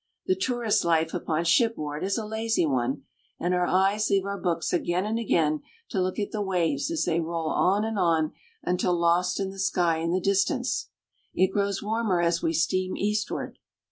The tourist's life upon shipboard is a lazy one, and our eyes leave our books again and again to look at the waves as they roll on and on until lost in the sky in the distance. It grows warmer as we steam eastward.